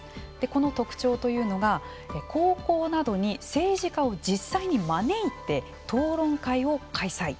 この特徴というのが高校などに政治家を実際に招いて討論会を開催。